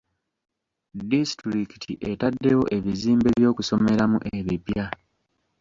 Disitulikiti etaddewo ebizimbe by'okusomeramu ebipya.